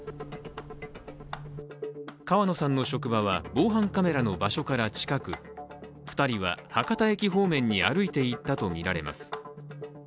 川野さんの職場は防犯カメラの場所から近く２人は博多駅方面に歩いていったとみられます。